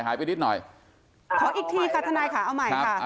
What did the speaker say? ขออีกทีค่ะทตั้มค่ะเอาใหม่ค่ะ